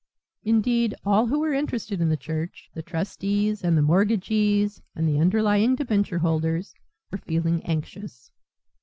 Indeed, all who were interested in the church, the trustees and the mortgagees and the underlying debenture holders, were feeling anxious.